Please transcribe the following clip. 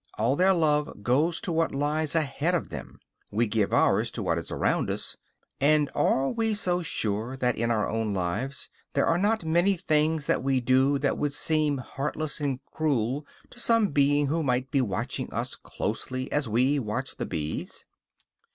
All their love goes to what lies ahead of them; we give ours to what is around us. And are we so sure that, in our own lives, there are not many things that we do that would seem heartless and cruel to some being who might be watching us as closely as we watch the bees?